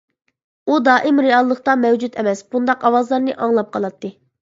ئۇ دائىم رېئاللىقتا مەۋجۇت ئەمەس بۇنداق ئاۋازلارنى ئاڭلاپ قالاتتى.